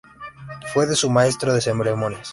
Fue su Maestro de Ceremonias.